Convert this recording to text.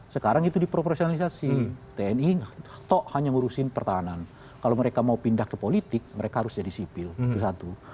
sekarang itu diproporsionalisasi tni toh hanya ngurusin pertahanan kalau mereka mau pindah ke politik mereka harus jadi sipil itu satu